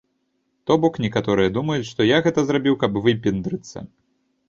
То бок, некаторыя думаюць, што я гэта зрабіў, каб выпендрыцца.